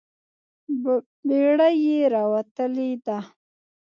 بړۍ یې راوتلې ده.